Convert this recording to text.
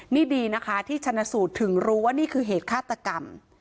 นี่ดีนะคะที่ชนะสูตรถึงรู้ว่านี่คือเหตุฆาตกรรม